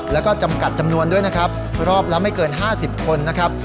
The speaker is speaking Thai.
แล้วก็จำกัดจำนวนด้วยนะครับรอบละไม่เกิน๕๐คนนะครับ